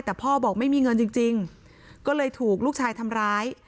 แต่พ่อบอกไม่มีเงินจริงก็เลยถูกลูกชายทำร้าย